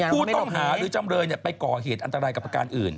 ผู้ต้องหาหรือจำเลยไปก่อเหตุอันตรายกับประการอื่น